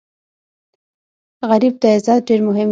غریب ته عزت ډېر مهم وي